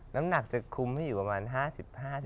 น้ำหนักจะคุ้มให้อยู่ประมาณ๕๐๕๖กิโลกรัม